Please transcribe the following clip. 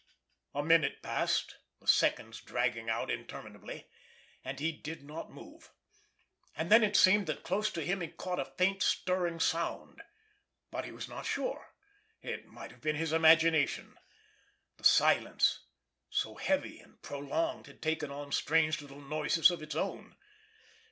A minute passed, the seconds dragging out interminably—and he did not move. And then it seemed that close to him he caught a faint stirring sound. But he was not sure. It might have been his imagination. The silence, so heavy and prolonged, had taken on strange little noises of its own.